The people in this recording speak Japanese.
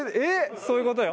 そういうことよ。